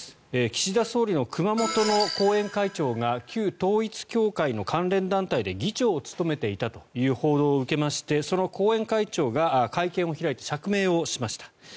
岸田総理の熊本の後援会長が旧統一教会の関連団体で議長を務めていたという報道を受けましてその後援会長が会見を開いて釈明をしました。